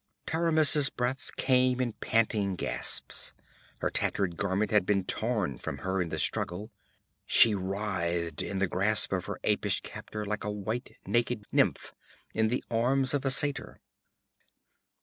Taramis's breath came in panting gasps; her tattered garment had been torn from her in the struggle. She writhed in the grasp of her apish captor like a white, naked nymph in the arms of a satyr.